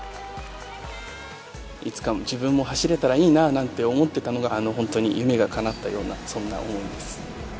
いつか自分も走れたらいいななんて思ってたのが、本当に夢がかなったような、そんな思いです。